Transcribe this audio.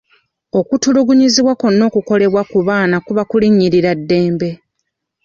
Okutulugunyizibwa kwonna okukolebwa ku baana kuba kulinnyirira ddembe.